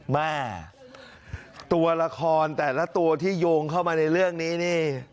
แม่ตัวละครแต่ละตัวที่โยงเข้ามาในเรื่องนี้นี่